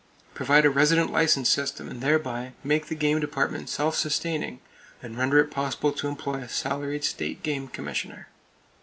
Provide a resident license system and thereby make the game department self sustaining, and render it possible to employ a salaried State Game Commissioner.